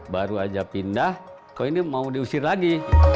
baru aja pindah kok ini mau diusir lagi